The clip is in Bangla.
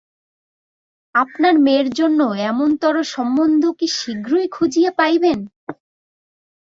আপনার মেয়ের জন্য এমনতরো সম্বন্ধ কি শীঘ্র খুঁজিয়া পাইবেন?